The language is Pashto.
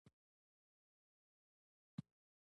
ایا زه باید د پروستات ټسټ وکړم؟